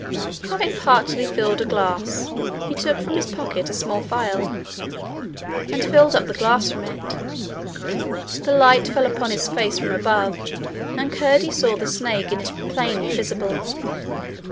Having partly filled a glass, he took from his pocket a small phial, and filled up the glass from it. The light fell upon his face from above, and Curdie saw the snake in it plainly visible.